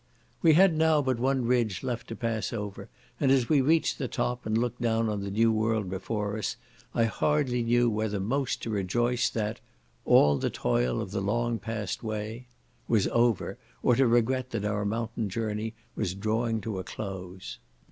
We had now but one ridge left to pass over, and as we reached the top, and looked down on the new world before us, I hardly knew whether most to rejoice that "All the toil of the long pass'd way" was over, or to regret that our mountain journey was drawing to a close.